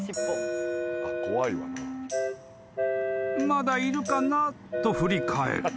［まだいるかなと振り返る］